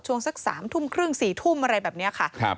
ช่วงสัก๓๓๐๔๐๐อะไรแบบนี้ครับ